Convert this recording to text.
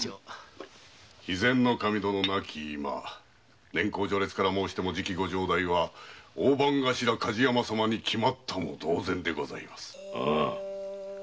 肥前守殿亡き今年功序列から申しても次期ご城代は大番頭・梶山様に決まったも同然でございます。